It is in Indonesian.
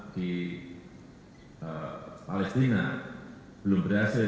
di palestina belum berhasil